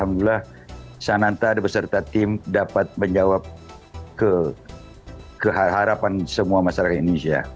alhamdulillah sananta beserta tim dapat menjawab keharapan semua masyarakat indonesia